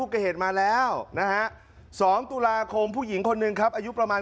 เกิดเหตุมาแล้วนะฮะ๒ตุลาคมผู้หญิงคนหนึ่งครับอายุประมาณ